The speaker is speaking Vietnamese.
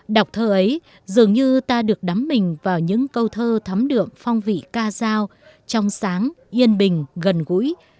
đọc thơ ấy dường như ta được đắm mình vào những câu thơ thắm đượm phong vị ca giao trong sáng yên bình gần gũi